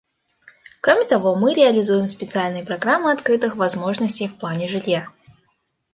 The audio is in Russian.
Кроме того, мы реализуем специальные программы открытых возможностей в плане жилья.